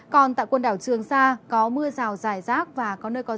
còn tại quần đảo trường sa có mưa rào dài rác và có nơi có rông